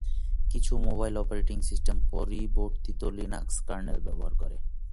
কিছু mobile operating system পরিবর্তিত Linux kernel ব্যবহার করে।